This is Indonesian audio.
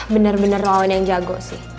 bener bener lawan yang jago sih